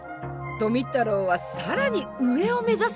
富太郎は更に上を目指すのです！